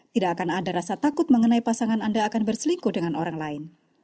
tidak akan ada rasa takut mengenai pasangan anda akan berselingkuh dengan orang lain